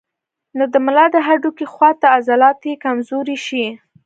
نو د ملا د هډوکي خواته عضلات ئې کمزوري شي